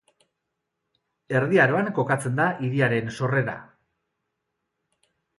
Erdi Aroan kokatzen da hiriaren sorrera.